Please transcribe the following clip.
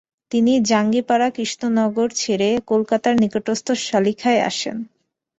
তিনি জাঙ্গিপাড়া-কৃষ্ণনগর ছেড়ে কলকাতার নিকটস্থ সালিখায় আসেন।